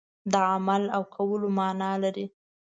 د عمل او کولو معنا لري.